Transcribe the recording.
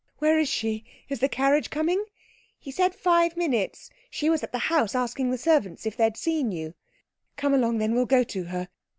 "Where is she? Is the carriage coming?" "He said five minutes. She was at the house, asking the servants if they had seen you." "Come along then, we'll go to her."